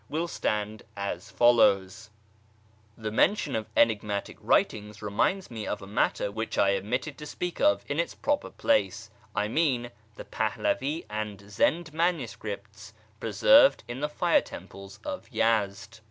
will stand as follows: — The mention of cniiiniatical writings reminds me of a matter which I omitted to speak of in its proper place — I mean the Pahlavi and Zend manuscripts preserved in the fire temples of Yezd.